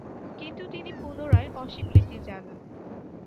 কিন্তু তিনি পুনরায় অস্বীকৃতি জানান।